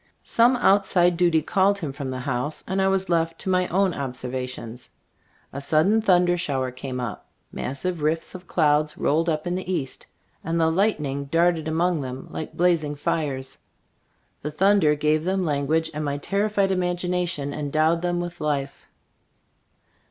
Some outside duty called him from the house and I was left to my own observations. A sudden thunder shower came up; massive rifts of clouds rolled up in the east, and the lightning darted among them like blazing fires. The thunder gave them language and my terrified imagination endowed them with life.